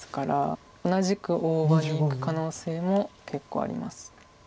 同じく大場にいく可能性も結構あります。